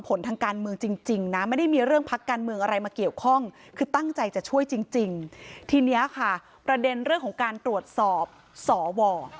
ประเด็นเรื่องของการตรวจสอบสว